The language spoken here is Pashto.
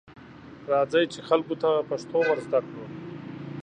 راځئ، چې خلکو ته پښتو ورزده کړو.